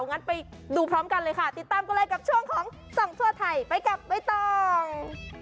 งั้นไปดูพร้อมกันเลยค่ะติดตามกันเลยกับช่วงของส่องทั่วไทยไปกับใบตอง